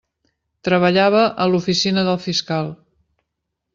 Treballava a l'oficina del fiscal.